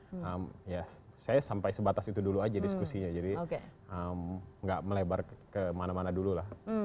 ya saya sampai sebatas itu dulu aja diskusinya jadi nggak melebar kemana mana dulu lah